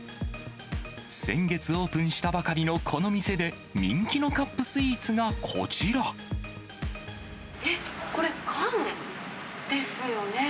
先月オープンしたばかりのこの店で、人気のカップスイーツがこちえっ、これ、缶ですよね。